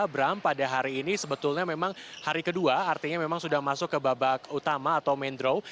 bram pada hari ini sebetulnya memang hari kedua artinya memang sudah masuk ke babak utama atau main draw